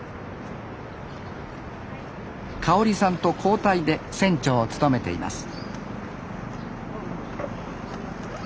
かおりさんと交代で船長を務めています